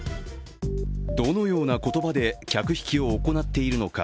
どのような言葉で客引きを行っているのか。